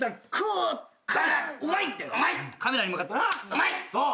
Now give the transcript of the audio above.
「うまい」そう。